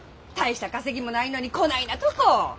大した稼ぎもないのにこないなとこ！